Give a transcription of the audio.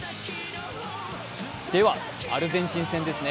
ではアルゼンチンですね。